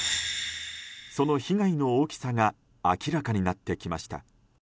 その被害の大きさが明らかになってきました。